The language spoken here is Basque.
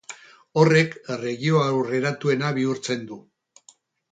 Horrek erregio aurreratuena bihurtzen du.